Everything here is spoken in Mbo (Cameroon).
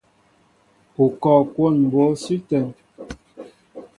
U kɔɔ kwón mbǒ sʉ́ ítə́ŋ?